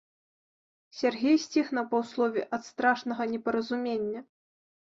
Сяргей сціх на паўслове ад страшнага непаразумення.